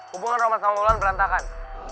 hubungan rahmat sama ular berantakan